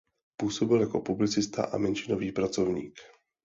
Působil jako publicista a menšinový pracovník.